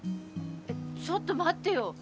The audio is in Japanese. えちょっと待ってよ。